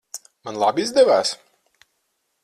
Man labi izdevās?